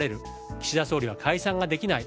岸田総理は解散ができない。